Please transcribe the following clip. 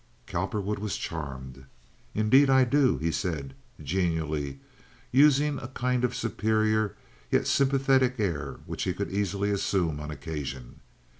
Cowperwood was charmed. "Indeed, I do," he said, genially, using a kind of superior and yet sympathetic air which he could easily assume on occasion.